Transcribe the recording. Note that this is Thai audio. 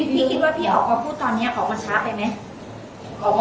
พี่คิดว่าพี่ออกมาพูดตอนนี้ออกมาช้าไปไหม